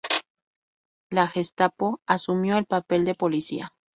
La Gestapo asumió el papel de policía.